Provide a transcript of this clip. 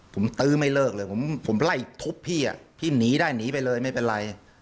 ผมตื้อไม่เลิกเลยผมไล่ทุบพี่พี่หนีได้หนีไปเลยไม่เป็นไร